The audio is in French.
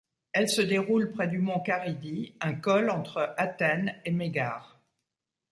Elle se déroule près du mont Karydi, un col entre Athènes et Mégare.